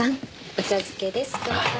お茶漬けですどうぞ。